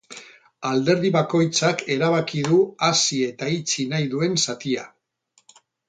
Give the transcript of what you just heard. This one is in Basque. Alderdi bakoitzak erabaki du hasi eta itxi nahi duen zatia.